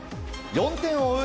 ４点を追う